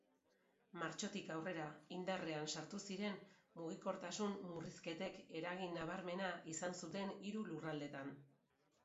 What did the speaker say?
Martxotik aurrera indarrean sartu ziren mugikortasun-murrizketek eragin nabarmena izan zuten hiru lurraldeetan.